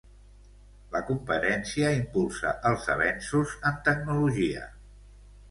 La competència impulsa els avenços en tecnologia.